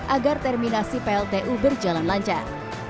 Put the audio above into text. agar terminasi pltu berjalan lancar